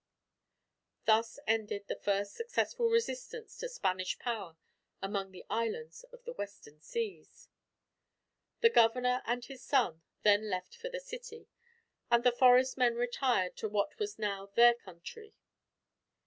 Thus ended the first successful resistance, to Spanish power, among the islands of the western seas. The governor and his son then left for the city, and the forest men retired to what was now their country.